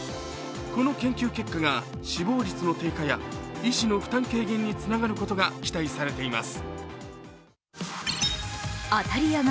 この研究結果が死亡率の低下や医師の負担軽減につながることが期待されています。